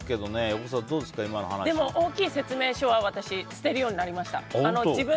私、大きい説明書は捨てるようになりました。